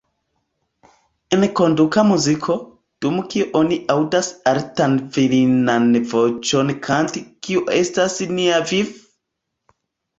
Enkonduka muziko, dum kiu oni aŭdas altan virinan voĉon kanti ""Kio estas nia viv'?